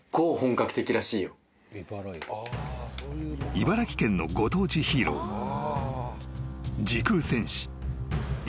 ［茨城県のご当地ヒーロー時空戦士イバライガー］